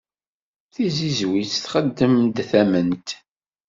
Tizizwit txeddem-d tament.